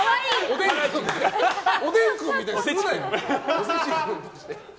おでん君みたいに言うなよ！